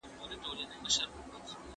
هر څه د الله تعالی له لوري دي.